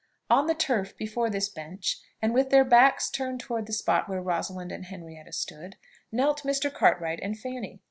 On the turf before this bench, and with their backs turned towards the spot where Rosalind and Henrietta stood, knelt Mr. Cartwright and Fanny.